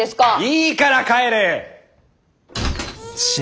いいから帰れッ！